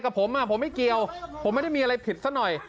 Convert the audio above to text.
กับผมผมไม่เกี่ยวผมไม่ได้มีอะไรผิดซะหน่อย